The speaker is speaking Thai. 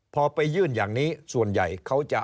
พอไปยื่นอย่างนี้ส่วนใหญ่เขาจะ